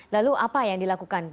lalu apa yang dilakukan